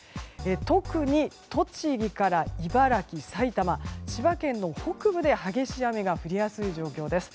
特に栃木から茨城、埼玉千葉県の北部で激しい雨が降りやすい状況です。